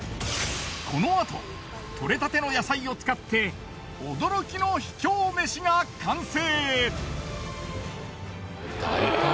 このあと採れたての野菜を使って驚きの秘境めしが完成！